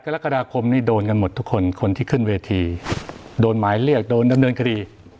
กรกฎาคมนี่โดนกันหมดทุกคนคนที่ขึ้นเวทีโดนหมายเรียกโดนดำเนินคดี